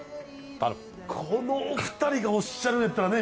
このお二人がおっしゃるんやったらね。